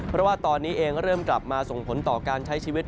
เพราะว่าตอนนี้เองเริ่มกลับมาส่งผลต่อการใช้ชีวิต